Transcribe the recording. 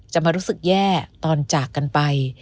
มารู้สึกแย่ตอนจากกันไป